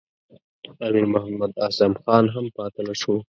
امیر محمد اعظم خان هم پاته نه شو.